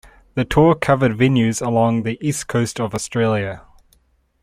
The tour covered venues along the east coast of Australia.